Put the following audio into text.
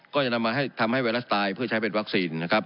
ก็จะทำให้ไวรัสตายเพื่อใช้เป็นวัคซีน